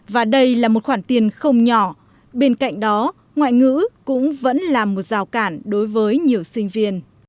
và đây là một khoản tiền không nhỏ bên cạnh đó ngoại ngữ cũng vẫn là một rào cản đối với nhiều sinh viên